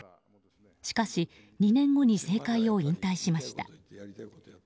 しかし２年後に政界を引退しました。